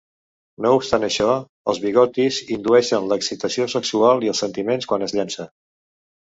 No obstant això, els bigotis indueixen l'excitació sexual i els sentiments quan es llença.